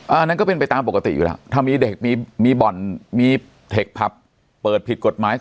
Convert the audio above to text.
อันนั้นก็เป็นไปตามปกติอยู่แล้วถ้ามีเด็กมีมีบ่อนมีเทคผับเปิดผิดกฎหมาย